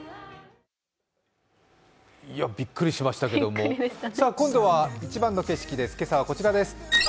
びっくりしましたけど、今度は一番の景色です、今朝はこちらです。